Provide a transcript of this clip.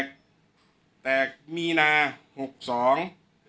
ช่างแอร์เนี้ยคือล้างหกเดือนครั้งยังไม่แอร์